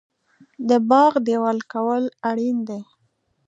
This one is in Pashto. د باغ دیوال کول اړین دي؟